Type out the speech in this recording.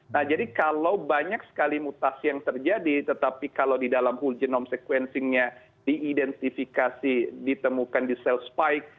nah jadi kalau banyak sekali mutasi yang terjadi tetapi kalau di dalam whole genome sequencing nya diidentifikasi ditemukan di self spike